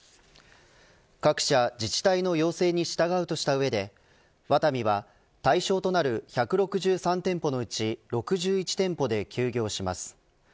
各社自治体の要請に従うとした上でワタミは対象となる１６３店舗のうち６１店舗で休業します。